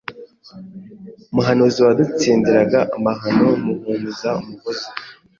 Muhanuzi wadutsindiraga amahano Muhumuza Umuhozi